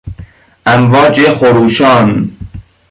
امواج خروشان